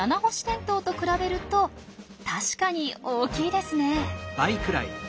テントウと比べると確かに大きいですね。